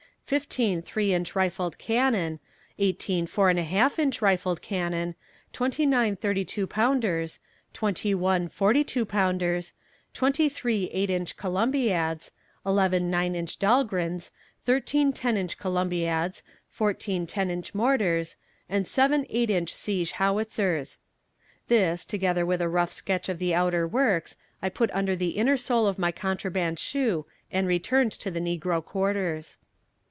fifteen three inch rifled cannon, eighteen four and a half inch rifled cannon, twenty nine thirty two pounders, twenty one forty two pounders, twenty three eight inch Columbiads, eleven nine inch Dahlgrens, thirteen ten inch Columbiads, fourteen ten inch mortars, and seven eight inch siege howitzers. This, together with a rough sketch of the outer works, I put under the inner sole of my contraband shoe and returned to the negro quarters.